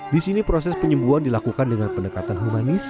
di sini proses penyembuhan dilakukan dengan pendekatan humanis